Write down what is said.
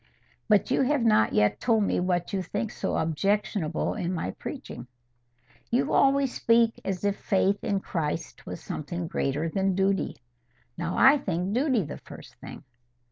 But you have not yet told me what you think so objectionable in my preaching." "You always speak as if faith in Christ was something greater than duty. Now I think duty the first thing."